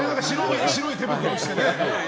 白い手袋してね。